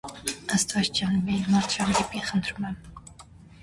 Աստված ջան, միայն մարդ չհանդիպի, խնդրում եմ: